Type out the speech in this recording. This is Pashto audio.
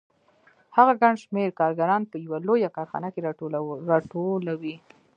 هغه ګڼ شمېر کارګران په یوه لویه کارخانه کې راټولوي